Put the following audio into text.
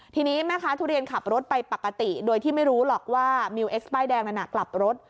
ทีนี้แม่ค้าทุเรียนขับรถไปปกติโดยที่ไม่รู้หรอกว่ามิวเอ็กซ์ป้ายแดงนั้นกลับรถ